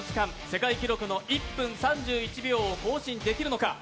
世界記録の１分３１秒を更新できるのか。